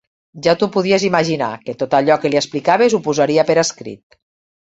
Ja t'ho podies imaginar, que tot allò que li explicaves ho posaria per escrit.